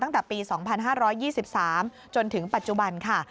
ตั้งแต่ปี๒๕๒๓จนถึงปัจจุบันค่ะ